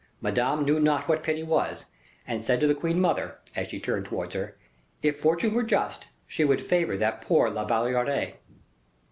Madame knew not what pity was, and said to the queen mother, as she turned towards her, "If Fortune were just, she would favor that poor La Valliere."